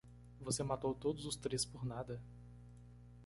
Você matou todos os três por nada.